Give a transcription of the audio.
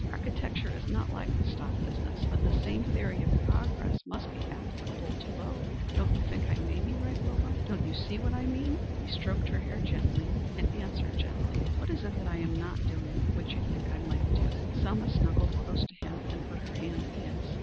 Architecture isn't like the stock business, but the same theory of progress must be applicable to both. Don't you think I may be right, Wilbur? Don't you see what I mean?" He stroked her hair and answered gently, "What is it that I am not doing which you think I might do?" Selma snuggled close to him, and put her hand in his.